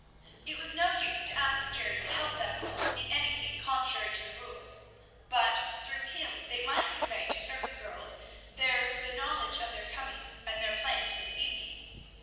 It was no use to ask Jerry to help them in any thing contrary to the rules; but through him they might convey to certain girls there the knowledge of their coming, and their plans for the evening.